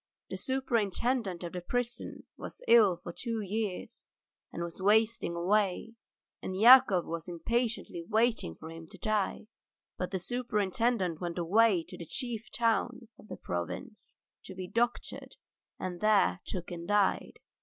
The superintendent of the prison was ill for two years and was wasting away, and Yakov was impatiently waiting for him to die, but the superintendent went away to the chief town of the province to be doctored, and there took and died.